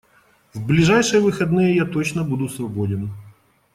В ближайшие выходные я точно буду свободен.